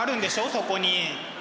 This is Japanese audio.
そこに。